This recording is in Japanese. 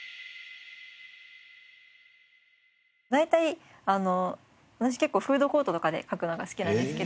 大体あの私結構フードコートとかで書くのが好きなんですけど。